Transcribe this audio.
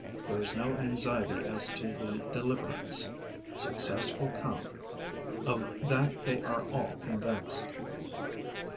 There is no anxiety as to the deliverance. Success will come: of that they are all convinced.